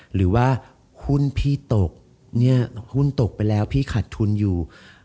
หรือว่าหุ้นพี่ตกเนี่ยหุ้นตกไปแล้วพี่ขาดทุนอยู่